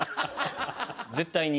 絶対に。